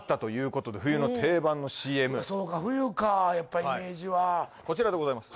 そうか冬かやっぱイメージはこちらでございます